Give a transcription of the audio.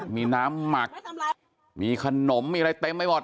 มีน้ำหมักมีขนมมีอะไรเต็มไปหมด